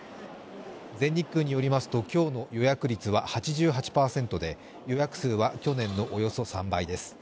全日空によりますと、今日の予約率は８８％で予約数は去年のおよそ３倍です。